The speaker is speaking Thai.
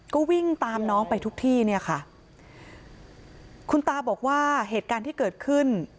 ก็วิ่งตามน้องไปทุกที่เนี่ยค่ะคุณตาบอกว่าเหตุการณ์ที่เกิดขึ้น